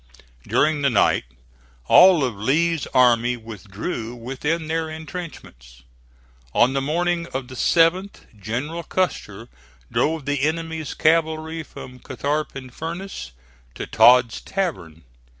During the night all of Lee's army withdrew within their intrenchments. On the morning of the 7th General Custer drove the enemy's cavalry from Catharpin Furnace to Todd's Tavern.